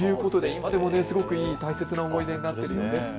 今でも、いい大切な思い出になっているそうです。